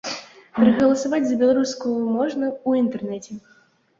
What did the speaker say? Прагаласаваць за беларуску можна ў інтэрнэце.